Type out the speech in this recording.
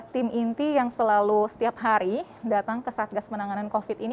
tim inti yang selalu setiap hari datang ke sini